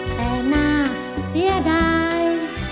แต่น่าเสียดาย